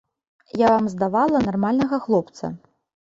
Я вам здавала нармальнага хлопца.